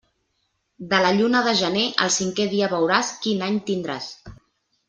De la lluna de gener, el cinqué dia veuràs quin any tindràs.